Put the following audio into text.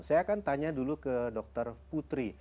saya akan tanya dulu ke dokter putri